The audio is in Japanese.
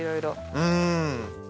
うん。